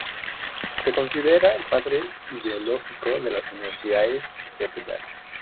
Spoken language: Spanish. Se considera el padre ideológico de las Universidades Populares.